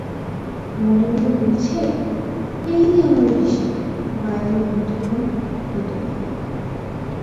মনে মনে বলছে, এই আমার অভিসার, বাইরে অন্ধকার ভিতরে আলো।